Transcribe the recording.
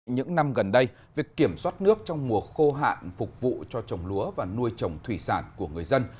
những năm gần đây việc kiểm soát nước trong mùa khô hạn phục vụ cho trồng lúa và nuôi trồng thủy sản của người dân